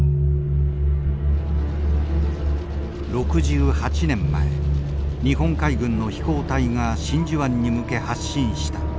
６８年前日本海軍の飛行隊が真珠湾に向け発進した。